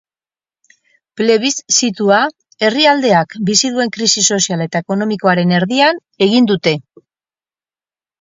Plebiszitua herrialdeak bizi duen krisi sozial eta ekonomikoaren erdian egin dute.